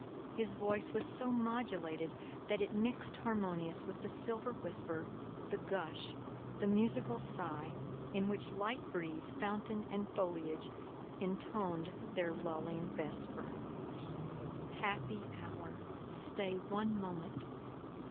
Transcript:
His voice was so modulated that it mixed harmonious with the silver whisper, the gush, the musical sigh, in which light breeze, fountain and foliage intoned their lulling vesper: Happy hour—stay one moment!